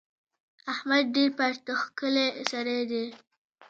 احمد ډېر پرتوګ کښلی سړی دی.